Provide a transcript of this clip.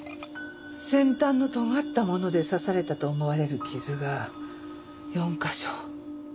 先端の尖ったもので刺されたと思われる傷が４カ所。